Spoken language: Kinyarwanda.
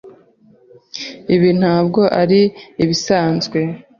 Ibi ntabwo ari ibisanzwe.